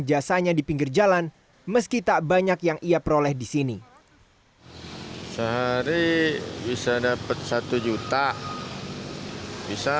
reasanya di pinggir jalan meski tak banyak yang ia peroleh disini hari bisa dapat satu juta bisa